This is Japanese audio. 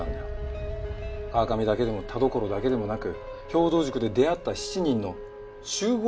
川上だけでも田所だけでもなく兵藤塾で出会った７人の集合